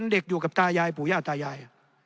เด็กอยู่กับตายายปู่ย่าตายาย